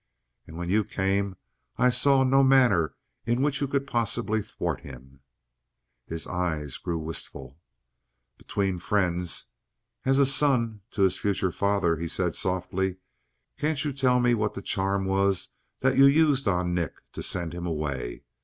"And when you came, I saw no manner in which you could possibly thwart him." His eyes grew wistful. "Between friends as a son to his future father," he said softly, "can't you tell me what the charm was that you used on. Nick to send him away?